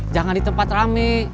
jangan di tempat rame